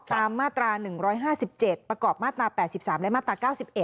ตามมาตรา๑๕๗ประกอบมาตรา๘๓และมาตรา๙๑